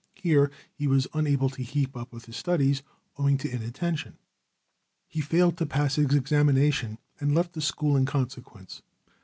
Here he was unable to keep up with his studies, owing to inattention. He failed to pass his examination and left the school in consequence.